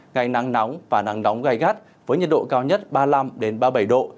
ngày nắng nóng và nắng nóng gai gắt với nhiệt độ cao nhất ba mươi năm ba mươi bảy độ